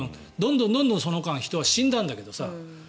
どんどんその間、人は死んだんだけどさ。